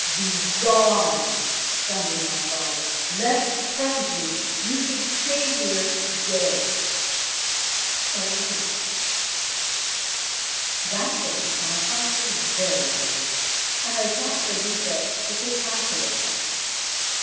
"Begone!" thundered my father, "lest presently you should stay here dead." So they went. That day my heart was very heavy, and I sought Freydisa to take counsel with her.